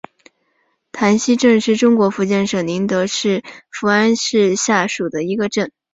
溪潭镇是中国福建省宁德市福安市下辖的一个镇。